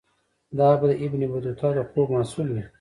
دا به د ابن بطوطه د خوب محصول وي.